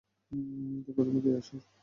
দেখো, তুমি কে, ঈশ্বর?